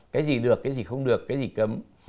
cái gì được cái gì không được cái gì cấm